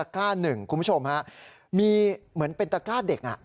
คุณผู้ชมฮะมีเหมือนเป็นตะกร้าเด็ก